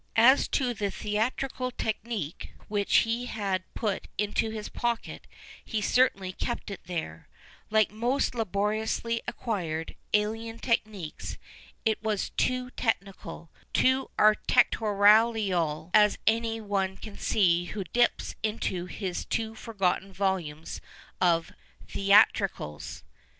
As to the theatrical teehnicpie whieh he had put into his pocket he certainly kept it there. Like most laboriously acquired, alien techniques it was too 158 HENRY JAMES AND THEATRE technical, too '* architectooralooral "— as any one can see who dips into his two forgotten volumes of " Theatricals."